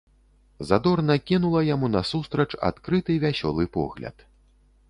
Задорна кінула яму насустрач адкрыты вясёлы погляд.